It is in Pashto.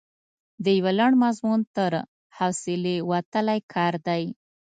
د یو لنډ مضمون تر حوصلې وتلی کار دی.